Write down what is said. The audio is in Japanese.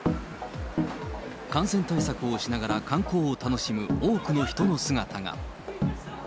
感染対策をしながら、観光を楽しむ多くの人の姿が。